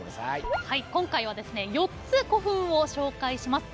今回はですね４つ古墳を紹介します。